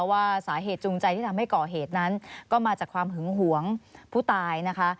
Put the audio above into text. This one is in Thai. ว่าสาเหตุจูงใจที่ทำให้ก่อเหตุนั้นก็มาจากความหึงหวงผู้ตายนะคะ